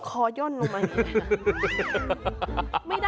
คอย่อนลงมานี่แหละ